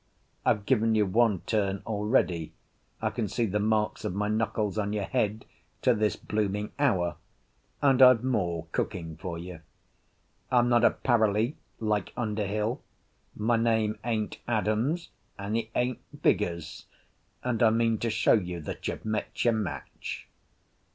I've given you one turn already; I can see the marks of my knuckles on your head to this blooming hour, and I've more cooking for you. I'm not a paralee, like Underhill. My name ain't Adams, and it ain't Vigours; and I mean to show you that you've met your match."